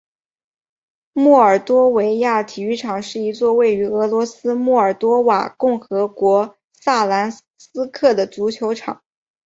莫尔多维亚体育场是一座位于俄罗斯莫尔多瓦共和国萨兰斯克的足球场。